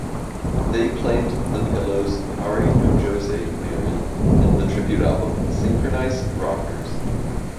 They played the pillows' Pari no Josei Mary in the tribute album, Synchronized Rockers.